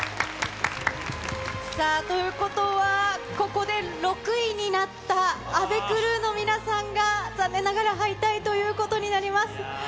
さあ、ということはここで６位になったａｖｅｃｒｅｗの皆さんが、残念ながら敗退ということになります。